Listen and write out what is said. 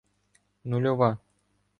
Нульова